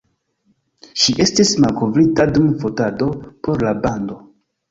Ŝi estis malkovrita dum fotado por la bando.